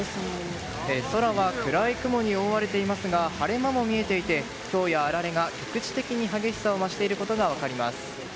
空は暗い雲に覆われていますが晴れ間も見えていてひょうや、あられが局地的な激しさを増していることが分かります。